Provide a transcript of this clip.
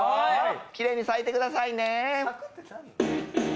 きれいに咲いてくださいね。